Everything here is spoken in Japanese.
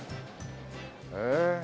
へえ。